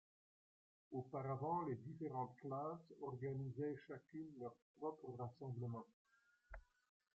Auparavant, les différentes classes organisaient chacune leur propre rassemblement.